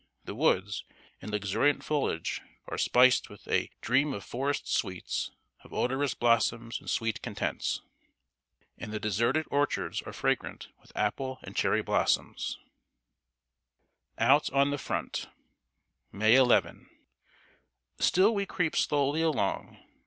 The woods, in luxuriant foliage, are spiced with " a dream of forest sweets, Of odorous blooms and sweet contents," and the deserted orchards are fragrant with apple and cherry blossoms. [Sidenote: OUT ON THE FRONT.] May 11. Still we creep slowly along.